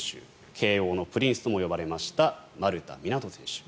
慶応のプリンスともいわれました丸田湊斗選手。